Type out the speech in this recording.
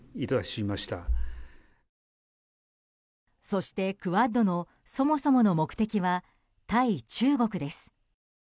そして、クアッドのそもそもの目的は対中国です。